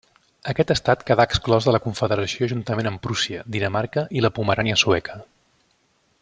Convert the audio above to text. Aquest estat quedà exclòs de la Confederació juntament amb Prússia, Dinamarca i La Pomerània sueca.